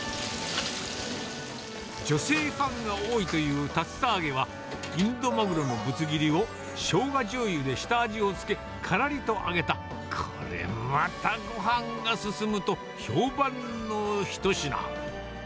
女性ファンが多いという竜田揚げは、インドマグロのぶつ切りをショウガじょうゆで下味をつけ、からりと揚げた、これまたごはんが進むと、評判の一品。